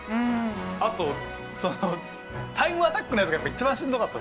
あとそのタイムアタックのやつがやっぱ一番しんどかったですね。